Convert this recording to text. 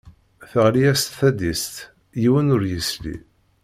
Teɣli-as tadist, yiwen ur yesli.